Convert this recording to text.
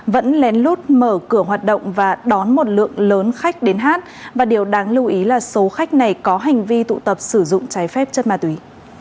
vẫn lén lút mở cửa hoạt động và đón một lượng lớn khách đến hát và điều đáng lưu ý là số khách này có hành vi tụ tập sử dụng trái phép chất ma túy